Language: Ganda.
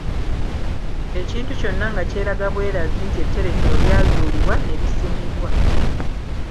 Ekintu kyonna nga kyeraga bwerazi nti etterekero lyazuulibwa ne lisimibwa.